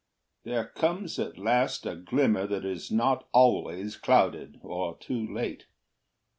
There comes at last a glimmer That is not always clouded, or too late.